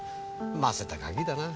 ませたガキだな。